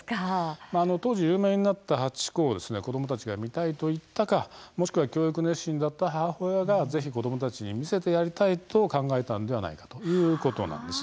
当時、有名になったハチ公を子どもたちが見たいと言ったかもしくは教育熱心だった母親がぜひ子どもたちに見せてやりたいと考えたのではないかということなんです。